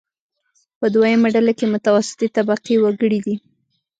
په دویمه ډله کې متوسطې طبقې وګړي دي.